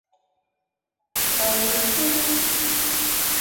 老師